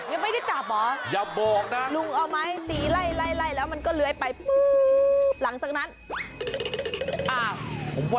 อ้าวหลังบ้านไหมหรือบ้านอ้าว